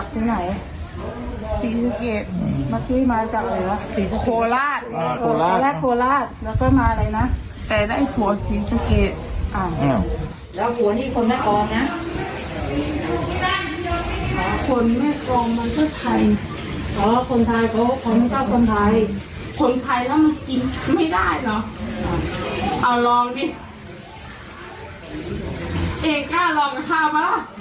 ลิคขึ้นมานั่งความรู้บนเร็ว